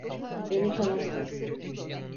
Beni tanırsın.